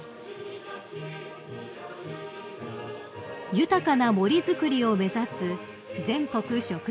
［豊かな森づくりを目指す全国植樹祭］